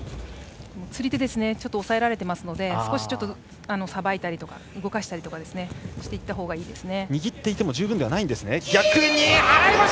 釣り手押さえられていますので少しさばいたりとか動かしたりしたほうがいいです。